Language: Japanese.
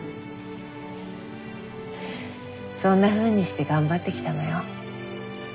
そんなふうにして頑張ってきたのよ。